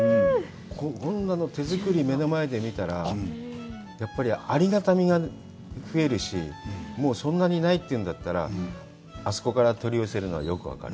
こんなの手作り目の前で見たら、やっぱりありがたみが増えるし、そんなにないというんだったらあそこから取り寄せるのはよく分かる。